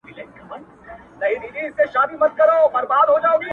خو د کلي اصلي درد څوک نه سي ليدلای,